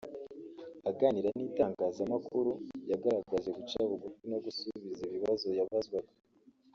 aganira n'itangazamakuru yagaragaje guca bugufi no gusubiza ibibazo yabazwaga